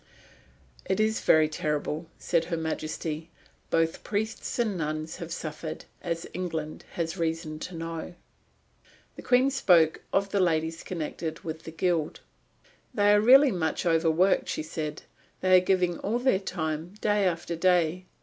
"It is very terrible," said Her Majesty. "Both priests and nuns have suffered, as England has reason to know." The Queen spoke of the ladies connected with the Guild. "They are really much overworked," she said. "They are giving all their time day after day.